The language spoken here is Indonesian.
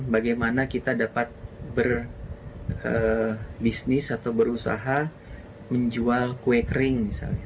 bagaimana cara kita bisa menjual kue kering